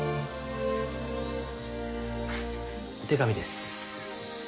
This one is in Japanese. お手紙です。